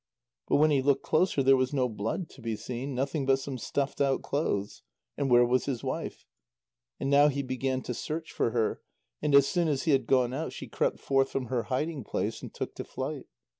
But when he looked closer, there was no blood to be seen, nothing but some stuffed out clothes. And where was his wife? And now he began to search for her, and as soon as he had gone out, she crept forth from her hiding place, and took to flight.